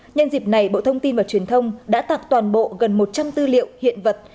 nhân dịp này bộ thông tin và truyền thông đã tặng toàn bộ gần một trăm linh tư liệu hiện vật